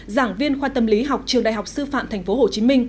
giảng viên khoa tâm lý học trường đại học sư phạm tp hcm